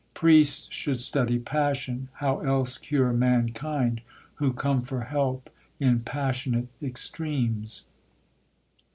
"Priests Should study passion; how else cure mankind, Who come for help in passionate extremes?"